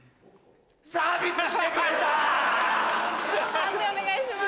判定お願いします。